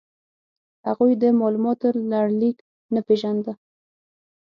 هغوی د مالوماتو لړلیک نه پېژانده.